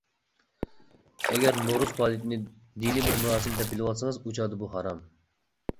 ئەگەر نورۇز پائالىيىتىنى دىنى بىر مۇراسىم دەپ بىلىۋالسىڭىز ئۇ چاغدا بۇ ھارام.